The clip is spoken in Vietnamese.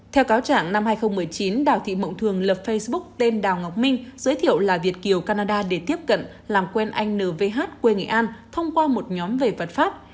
theo cáo trạng năm hai nghìn một mươi chín đào thị mộng thường lập facebook tên đào ngọc minh giới thiệu là việt kiều canada để tiếp cận làm quen anh n v h quê nghệ an thông qua một nhóm về vật pháp